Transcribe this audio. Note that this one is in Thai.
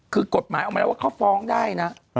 คือกฎหมายออกมาแล้วว่าเขาฟ้องได้นะ